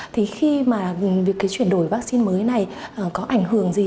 thì khi mà việc cái chuyển đổi vaccine mới này có ảnh hưởng gì